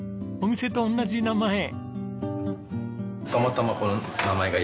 お店と同じ名前。